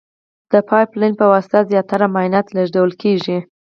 د پایپ لین په واسطه زیاتره مایعات لېږدول کیږي.